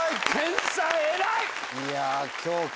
いや。